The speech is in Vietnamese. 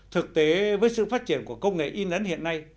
thực tế với sự phát triển của công nghệ in ấn hiện nay